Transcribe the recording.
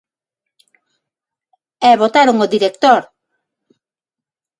E botaron ó director.